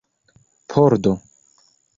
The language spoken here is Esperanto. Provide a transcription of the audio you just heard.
pordo